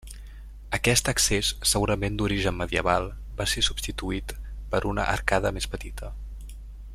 Aquest accés, segurament d'origen medieval, va ser substituït per una arcada més petita.